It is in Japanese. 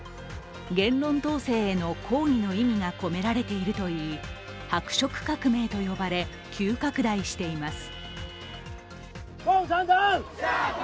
言論統制への抗議の意味が込められているといい白色革命と呼ばれ急拡大しています。